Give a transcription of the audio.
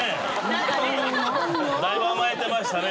だいぶ甘えてましたね